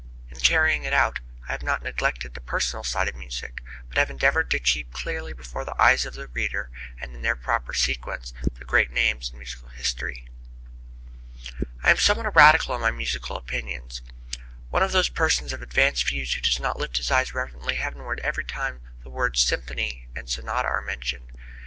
In carrying it out I have not neglected the personal side of music, but have endeavored to keep clearly before the eyes of the reader, and in their proper sequence, the great names in musical history. I am somewhat of a radical in my musical opinions, one of those persons of advanced views who does not lift his eyes reverentially heavenward every time the words "symphony" and "sonata" are mentioned.